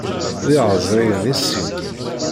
D iɛeẓriyen i sin.